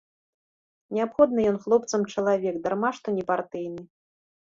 Неабходны ён хлопцам чалавек, дарма што непартыйны.